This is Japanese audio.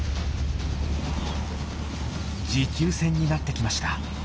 持久戦になってきました。